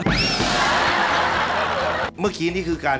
สวัสดีครับ